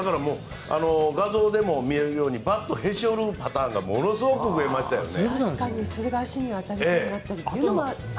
画像でも見えるようにバットをへし折るパターンがものすごく増えましたね。